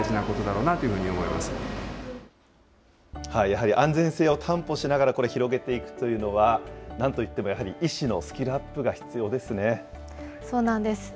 やはり安全性を担保しながら、これ、広げていくというのは、なんといってもやはり、医師のスキルアップが必要ですね。